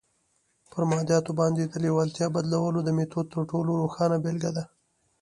پر مادياتو باندې د لېوالتیا بدلولو د ميتود تر ټولو روښانه بېلګه ده.